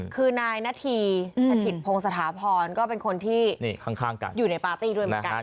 คือนายนาธีสถิตพงศถาพรก็เป็นคนที่ข้างกันอยู่ในปาร์ตี้ด้วยเหมือนกัน